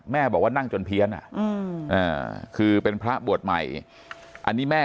แม่บอกว่านั่งจนเพี้ยนคือเป็นพระบวชใหม่อันนี้แม่